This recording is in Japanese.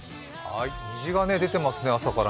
虹が出ていますね、朝から。